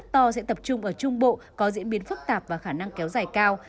to sẽ tập trung ở trung bộ có diễn biến phức tạp và khả năng kéo dài cao